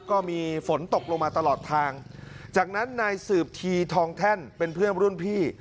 ก็มีฝนตกลงมาตลอดทางจากนั้นนายสืบทีทองแท่นเป็นเพื่อนรุ่นพี่